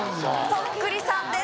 そっくりさんです